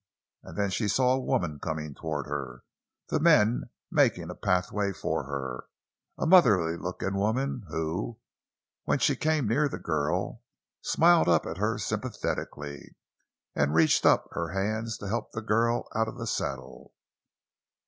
And then she saw a woman coming toward her, the men making a pathway for her—a motherly looking woman who, when she came near the girl, smiled up at her sympathetically and reached up her hands to help the girl out of the saddle.